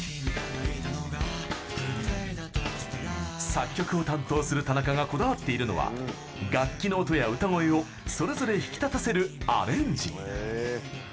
作曲を担当する田中がこだわっているのは楽器の音や歌声をそれぞれ引き立たせるアレンジ。